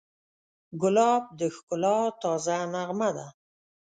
ګلاب د ښکلا تازه نغمه ده.